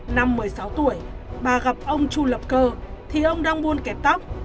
năm một mươi sáu tuổi bà gặp ông chu lập cơ thì ông đang buôn kẹp tóc